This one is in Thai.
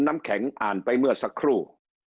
น้ำแข็งอ่านไปเมื่อสักครู่